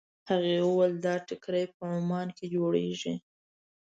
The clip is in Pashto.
هغې وویل دا ټیکري په عمان کې جوړېږي.